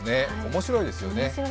面白いですよね。